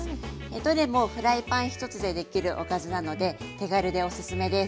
どれもフライパン１つでできるおかずなので手軽でおすすめです。